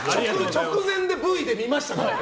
直前でＶで見ましたから。